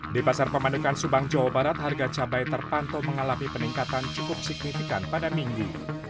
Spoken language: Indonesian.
di pasar pemandukan subang jawa barat harga cabai terpantau mengalami peningkatan cukup signifikan pada minggu